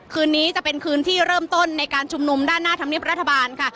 คืนนี้จะเป็นคืนที่เริ่มต้นในการชุมนุมด้านหน้าธรรมเนียบรัฐบาลค่ะ